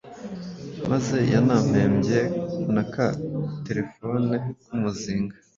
Maze yanampembye na ka terefone k’umuzinga